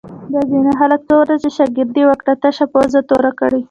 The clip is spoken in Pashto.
دا ځینې خلک څو ورځې شاگردي وکړي، تشه پوزه توره کړي